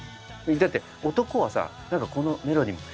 だって男はさ何かこのメロディーも。